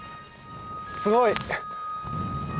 すごい！